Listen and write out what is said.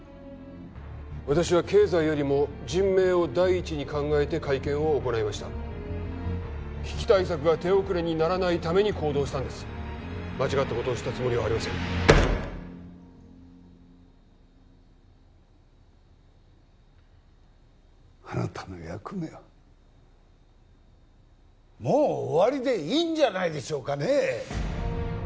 私は経済よりも人命を第一に考えて会見を行いました危機対策が手遅れにならないために行動したんです間違ったことをしたつもりはありませんあなたの役目はもう終わりでいいんじゃないでしょうかねえ